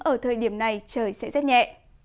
ở thời điểm này trời sẽ rất nhẹ